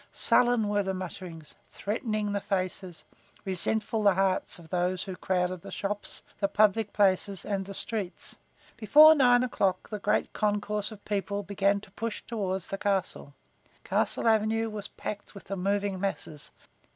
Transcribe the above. Sullen were the mutterings, threatening the faces, resentful the hearts of those who crowded the shops, the public places and the streets. Before nine o'clock the great concourse of people began to push toward the castle. Castle Avenue was packed with the moving masses.